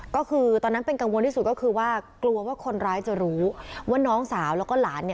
ก็คือตอนนั้นเป็นกังวลที่สุดก็คือว่ากลัวว่าคนร้ายจะรู้ว่าน้องสาวแล้วก็หลาน